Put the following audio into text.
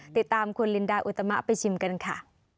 ติดตามคุณลินดาอุตมะไปชิมกันค่ะ